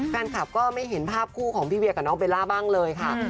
แฟนคลับก็ไม่เห็นภาพคู่ของพี่เวียกับน้องเบลล่าบ้างเลยค่ะ